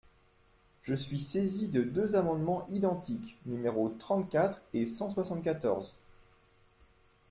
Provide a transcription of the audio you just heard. Je suis saisi de deux amendements identiques, numéros trente-quatre et cent soixante-quatorze.